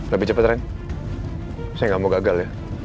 lebih cepat ren saya nggak mau gagal ya